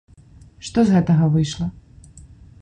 Што з гэтага выйшла?